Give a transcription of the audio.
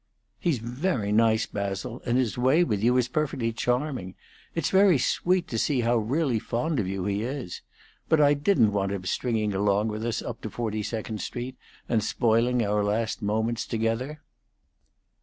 "He's very nice, Basil, and his way with you is perfectly charming. It's very sweet to see how really fond of you he is. But I didn't want him stringing along with us up to Forty second Street and spoiling our last moments together."